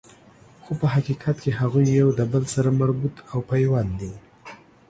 خو په حقیقت کی هغوی یو د بل سره مربوط او پیوند دي